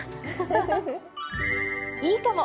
いいかも！